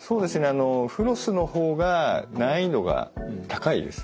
あのフロスの方が難易度が高いです。